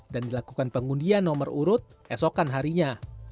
dan dilakukan pengundian nomor urut esokan harinya